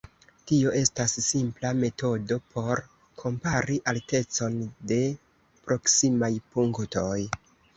Tio estas simpla metodo por kompari altecon de proksimaj punktoj.